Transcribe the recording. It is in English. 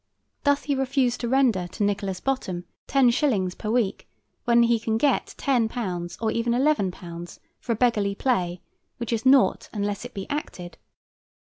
Doth he refuse to render to Nicholas Bottom 10 shillings per week when he can get £10 or even £11 for a beggarly play, which is nought unless it be acted?